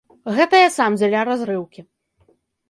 Гэта я сам дзеля разрыўкі.